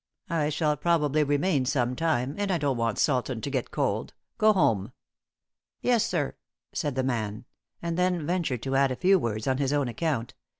I shall probably remain some time, and I don't want Sultan to get cold. Go home." "Yes, sir," said the man, and then ventured to add a few words on his own account.